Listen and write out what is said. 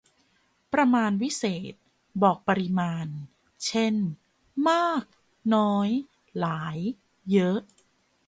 ประมาณวิเศษณ์ บอกปริมาณ เช่น มาก น้อย หลาย เยอะ